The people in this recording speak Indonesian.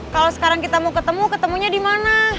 kalau sekarang kita mau ketemu ketemunya dimana